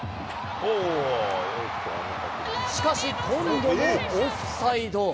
しかし今度もオフサイド。